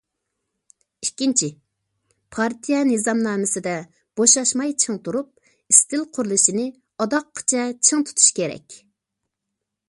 ئىككىنچى، پارتىيە نىزامنامىسىدە بوشاشماي چىڭ تۇرۇپ، ئىستىل قۇرۇلۇشىنى ئاداققىچە چىڭ تۇتۇش كېرەك.